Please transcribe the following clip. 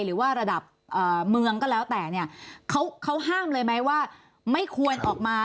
หรือว่าระดับเมืองก็แล้วแต่เนี่ยเขาห้ามเลยไหมว่าไม่ควรออกมา